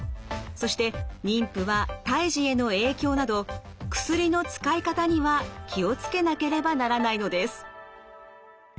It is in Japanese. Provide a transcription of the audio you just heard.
そして妊婦は胎児への影響など薬の使い方には気を付けなければならないのです。